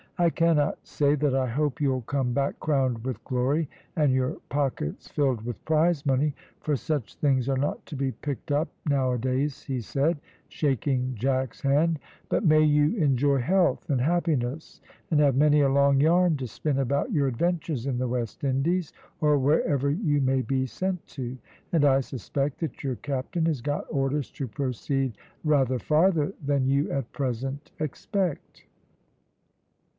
"I cannot say that I hope you'll come back crowned with glory and your pockets filled with prize money, for such things are not to be picked up now a days," he said, shaking Jack's hand, "but may you enjoy health and happiness and have many a long yarn to spin about your adventures in the West Indies or wherever you may be sent to, and I suspect that your captain has got orders to proceed rather farther than you at present expect."